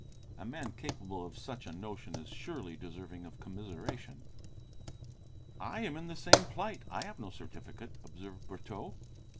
A man capable of such a notion is surely deserving of commiseration." "I am in the same plight, I have no certificate," observed Brotteaux.